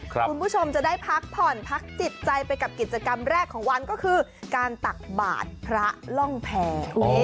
คุณผู้ชมจะได้พักผ่อนพักจิตใจไปกับกิจกรรมแรกของวันก็คือการตักบาทพระล่องแพร